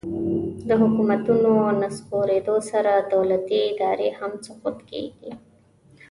د حکومتونو نسکورېدو سره دولتي ادارې هم سقوط کیږي